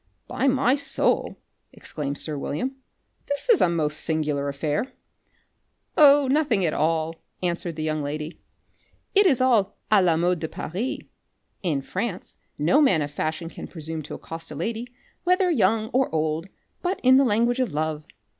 "By my soul," exclaimed sir William, "this is the most singular affair!" "Oh, nothing at all," answered the young lady. "It is all à la mode de Paris. In France no man of fashion can presume to accost a lady, whether young or old, but in the language of love.